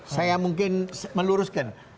saya mungkin meluruskan